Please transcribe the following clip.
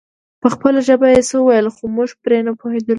په خپله ژبه يې څه ويل خو موږ پرې نه پوهېدلو.